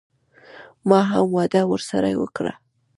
ما هم وعده ورسره وکړه.